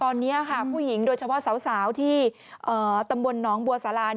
ตอนนี้ผู้หญิงโดยเฉพาะสาวที่ตำบลหนองบัวสารา